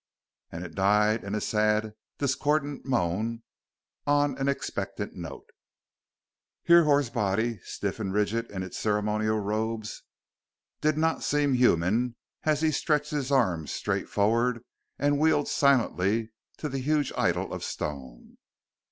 And it died in a sad, discordant moan on an expectant note.... Hrihor's body, stiff and rigid in its ceremonial robes, did not seem human as he stretched his arms straight forward and wheeled silently to the huge idol of stone.